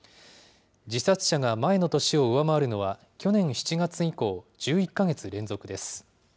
自殺者が前の年を上回るのは、去年７月以降、１１か月連続です。